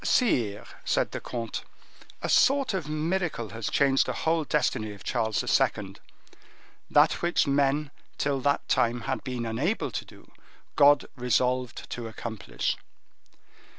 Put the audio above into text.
"Sire," said the comte, "a sort of miracle has changed the whole destiny of Charles II. That which men, till that time, had been unable to do, God resolved to accomplish."